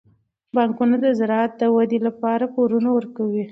بانکونه د زراعت د ودې لپاره پورونه ورکوي.